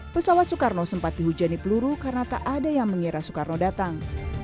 pesawat soekarno sempat dihujani peluru karena tak ada yang mengira soekarno datang